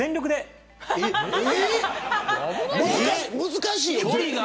難しいよ。